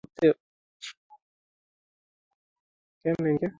এটা কি তোমাকে আজকেই বলেছে এসব করতে?